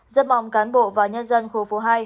rất mong cán bộ và nhân dân khu phố hai